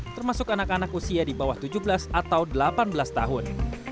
termasuk anak anak usia di bawah tujuh belas atau delapan belas tahun